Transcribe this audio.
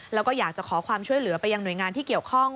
แล้วก็อยากจะขอความช่วยเหลือไปยังหน่วยงานที่เกี่ยวข้อง